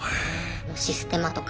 システマとか。